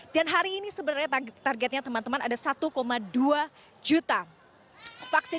hari ini sebenarnya targetnya teman teman ada satu dua juta vaksin